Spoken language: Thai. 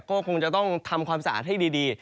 ก็คงจะต้องทำความสะอาดให้ดี